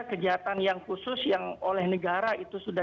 kejahatan yang khusus yang oleh negara itu sudah